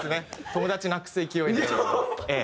友達なくす勢いでちょっとええ。